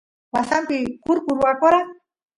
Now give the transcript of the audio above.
wasampi kurku rwakora